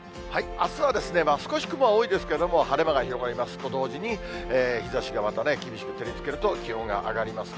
あすは少し雲は多いですけれども、晴れ間が広がりますと同時に、日ざしがまたね、厳しく照りつけると気温が上がりますね。